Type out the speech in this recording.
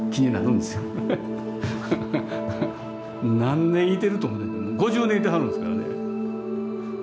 何年いてると思うてんの５０年いてはるんですからね。